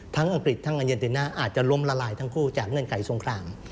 อังกฤษทั้งอันเย็นติน่าอาจจะล้มละลายทั้งคู่จากเงื่อนไขสงคราม